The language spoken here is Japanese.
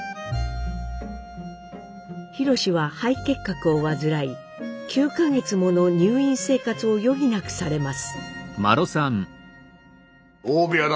宏は肺結核を患い９か月もの入院生活を余儀なくされます。